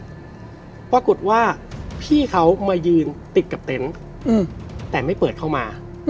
ปรากฏว่าพี่เขามายืนติดกับเต็นต์แต่ไม่เปิดเข้ามา